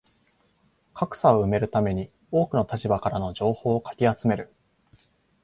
格差を埋めるために多くの立場からの情報をかき集める